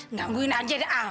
nungguin aja deh